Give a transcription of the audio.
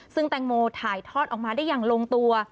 ซึ่งแตงโมถ่ายทอดออกมาได้อย่างลงตัว